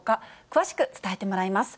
詳しく伝えてもらいます。